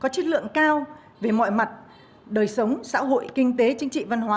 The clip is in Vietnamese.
tượng cao về mọi mặt đời sống xã hội kinh tế chính trị văn hóa